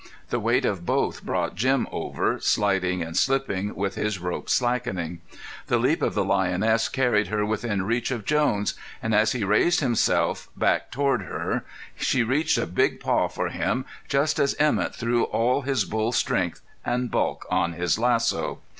The weight of both brought Jim over, sliding and slipping, with his rope slackening. The leap of the lioness carried her within reach of Jones; and as he raised himself, back toward her, she reached a big paw for him just as Emett threw all his bull strength and bulk on his lasso.